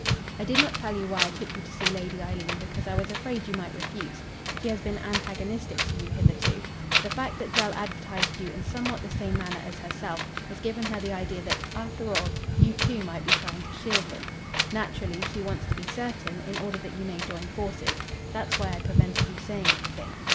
"I did not tell you why I took you to see Lady Eileen, because I was afraid you might refuse. She has been antagonistic to you hitherto. The fact that Grell advertised you in somewhat the same manner as herself has given her the idea that, after all, you too might be trying to shield him. Naturally, she wants to be certain, in order that you may join forces. That's why I prevented you saying anything.